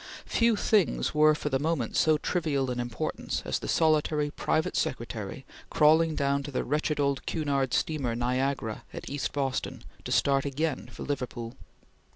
Few things were for the moment so trivial in importance as the solitary private secretary crawling down to the wretched old Cunard steamer Niagara at East Boston to start again for Liverpool.